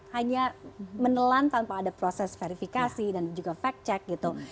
hanya menelan tanpa ada proses verifikasi dan juga fact check gitu